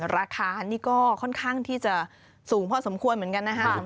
ราคานี่ก็ค่อนข้างที่จะสูงพอสมควรเหมือนกันนะครับ